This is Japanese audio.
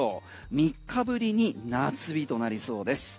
３日ぶりに夏日となりそうです。